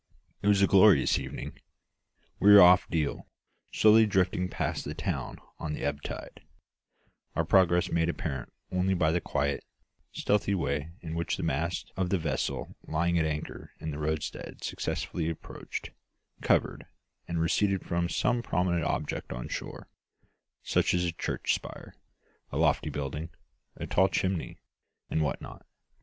It was a glorious evening. We were off Deal, slowly drifting past the town on the ebb tide; our progress made apparent only by the quiet, stealthy way in which the masts of the vessels lying at anchor in the roadstead successively approached, covered, and receded from some prominent object on shore, such as a church spire, a lofty building, a tall chimney, and what not.